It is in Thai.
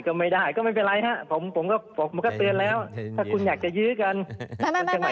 ก็ไม่ได้ก็ไม่เป็นไรครับ